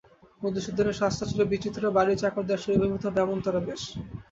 মধুসূদনের সাজটা ছিল বিচিত্র, বাড়ির চাকরদাসীরা অভিভূত হবে এমনতরো বেশ।